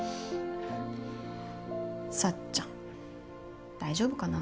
幸ちゃん大丈夫かな。